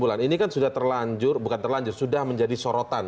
dua bulan ini kan sudah terlanjur bukan terlanjur sudah menjadi sorotan